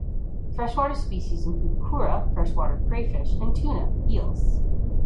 Freshwater species include koura (freshwater crayfish) and tuna (eels).